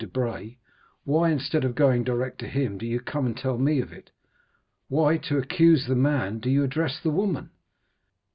Debray, why, instead of going direct to him, do you come and tell me of it? Why, to accuse the man, do you address the woman?"